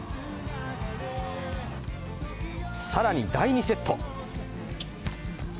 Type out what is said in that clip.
更に、第２セット。